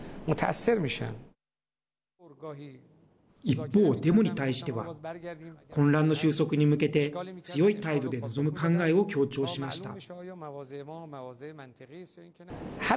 一方、デモに対しては混乱の収束に向けて強い態度で臨む考えを強調しました。